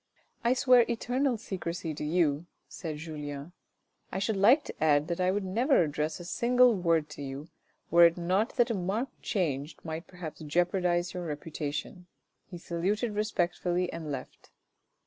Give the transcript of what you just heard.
" I swear eternal secrecy to you," said Julien. " I should like to add that I would never address a single word to you, were it not that a marked change might perhaps jeopardise your reputation." He saluted respectfully and left.